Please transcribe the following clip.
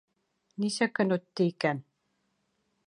Нисә көн үтте икән...